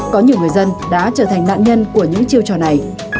có nhiều người dân đã trở thành nạn nhân của những chiêu trò này